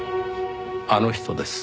あの人です。